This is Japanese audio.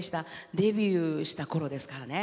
デビューしたころですかね